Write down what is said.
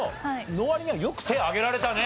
の割にはよく手挙げられたね。